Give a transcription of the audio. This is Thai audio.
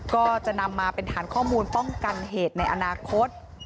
ก็จะนำมาเป็นฐานข้อมูลป้องกันเหตุในอนาคต